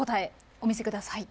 お見せください。